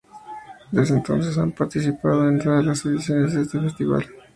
Desde entonces han participado en todas las ediciones de ese festival.